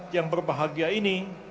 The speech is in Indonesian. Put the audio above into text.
yang berbahagia ini